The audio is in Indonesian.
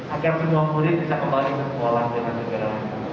agar semua murid bisa kembali ke sekolah dengan segera